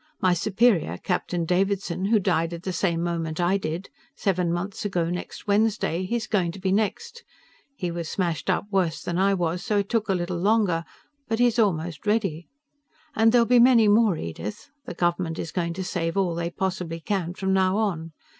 My superior, Captain Davidson, who died at the same moment I did seven months ago next Wednesday he's going to be next. He was smashed up worse than I was, so it took a little longer, but he's almost ready. And there'll be many more, Edith. The government is going to save all they possibly can from now on.